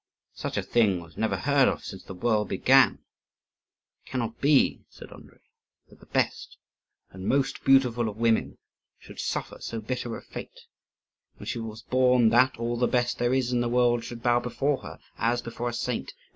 "Such a thing was never heard of since the world began. It cannot be," said Andrii, "that the best and most beautiful of women should suffer so bitter a fate, when she was born that all the best there is in the world should bow before her as before a saint.